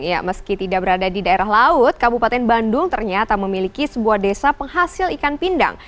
ya meski tidak berada di daerah laut kabupaten bandung ternyata memiliki sebuah desa penghasil ikan pindang